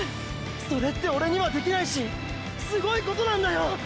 それってオレにはできないしすごいことなんだよ！！